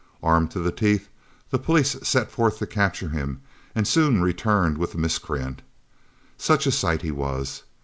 Armed to the teeth, the police set forth to capture him, and soon returned with the miscreant. Such a sight he was!